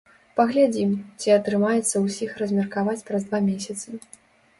Паглядзім, ці атрымаецца ўсіх размеркаваць праз два месяцы.